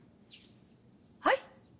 はい？